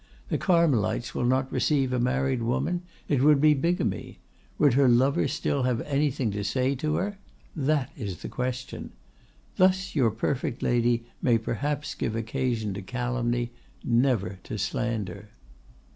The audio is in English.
The Carmelites will not receive a married woman; it would be bigamy. Would her lover still have anything to say to her? That is the question. Thus your perfect lady may perhaps give occasion to calumny, never to slander."